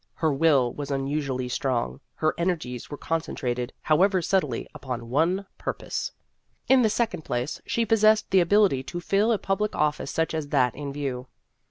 Her will was unusually strong ; her energies were concentrated, however subtly, upon one purpose. In the second place, she possessed the ability to fill a public office such as that in view.